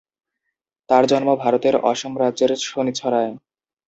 তার জন্ম ভারতের অসম রাজ্যের শনিছড়ায়।